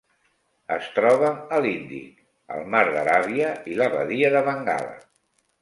Es troba a l'Índic: el mar d'Aràbia i la badia de Bengala.